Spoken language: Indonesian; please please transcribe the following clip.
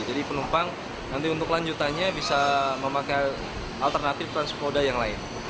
jadi penumpang nanti untuk lanjutannya bisa memakai alternatif transportasi yang lain